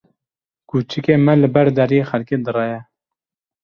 Kuçikê me li ber deriyê xelkê direye.